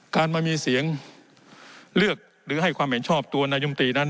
การมามีเสียงเลือกหรือให้ความเห็นชอบตัวนายมตรีนั้น